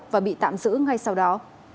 và bị tạm giữ ngay sau đó